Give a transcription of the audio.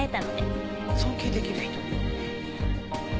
尊敬できる人？